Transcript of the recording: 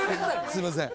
すいません。